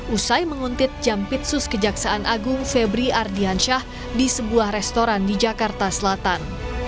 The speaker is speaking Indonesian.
usai menguntit jampitsus kejaksaan agung febri ardiansyah di sebuah restoran di jakarta selatan